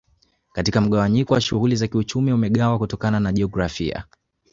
Katika mgawanyiko wa shughuli za kiuchumi wamegawa kutokana na jiografia